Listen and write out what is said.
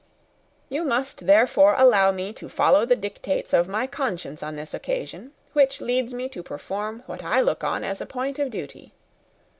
You must, therefore, allow me to follow the dictates of my conscience on this occasion, which lead me to perform what I look on as a point of duty.